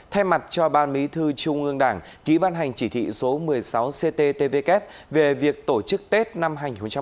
thay mặt cho ban bí thư trung ương đảng ký ban hành chỉ thị số một mươi sáu cttvk về việc tổ chức tết năm hai nghìn hai mươi